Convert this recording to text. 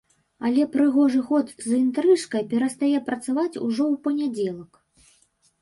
Але прыгожы ход з інтрыжкай перастае працаваць ужо ў панядзелак.